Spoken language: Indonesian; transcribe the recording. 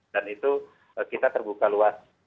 dan itu kita terbuka luas